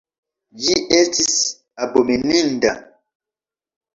Ĝi estis abomeninda.